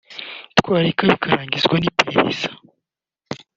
twareka bikarangizwa n’iperereza